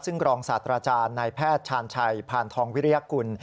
ซึ่งรองศาสตราจารย์นายแพทย์ชาญชัยพานทองวิริยกุล